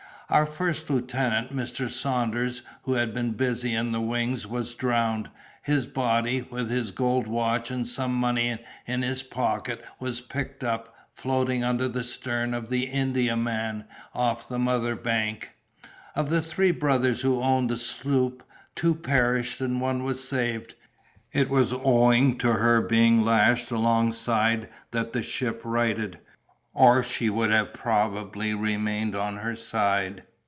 Our first lieutenant, Mr. Saunders, who had been busy in the wings, was drowned; his body, with his gold watch and some money in his pocket, was picked up, floating under the stern of an Indiaman off the Motherbank. Of the three brothers who owned the sloop, two perished and one was saved. It was owing to her being lashed alongside that the ship righted, or she would have probably remained on her side.